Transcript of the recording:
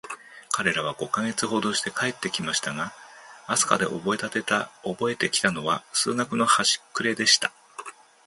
彼等は五ヵ月ほどして帰って来ましたが、飛島でおぼえて来たのは、数学のはしくれでした。